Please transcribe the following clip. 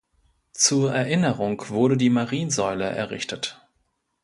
Zur Erinnerung wurde die Mariensäule errichtet.